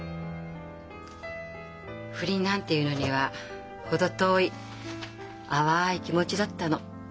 不倫なんていうのには程遠い淡い気持ちだったの。